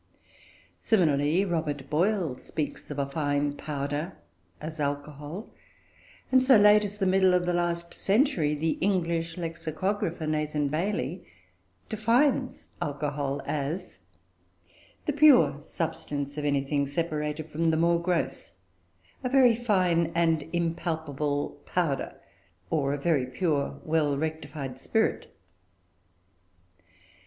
Similarly, Robert Boyle speaks of a fine powder as "alcohol"; and, so late as the middle of the last century, the English lexicographer, Nathan Bailey, defines "alcohol" as "the pure substance of anything separated from the more gross, a very fine and impalpable powder, or a very pure, well rectified spirit."